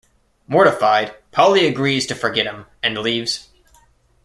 Mortified, Polly agrees to forget him, and leaves.